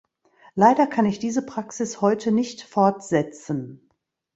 Leider kann ich diese Praxis heute nicht fortsetzen.